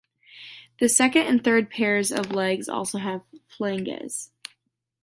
The second and third pairs of legs also have flanges.